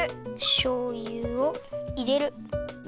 しょうゆをいれる。